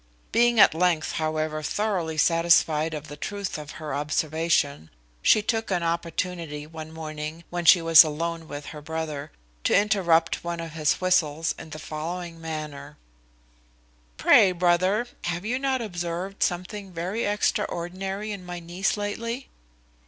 Being at length, however, thoroughly satisfied of the truth of her observation, she took an opportunity, one morning, when she was alone with her brother, to interrupt one of his whistles in the following manner: "Pray, brother, have you not observed something very extraordinary in my niece lately?"